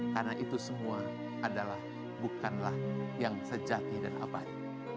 karena itu semua adalah bukanlah yang sejati dan abadi